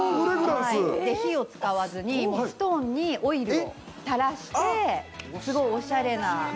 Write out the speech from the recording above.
火を使わずにストーンにオイルをたらして、おしゃれな。